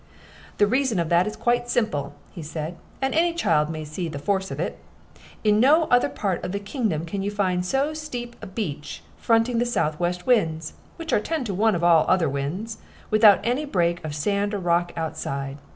"The reason of that is quite simple," he said, "and a child may see the force of it. In no other part of the kingdom can you find so steep a beach fronting the southwest winds, which are ten to one of all other winds, without any break of sand or rock outside.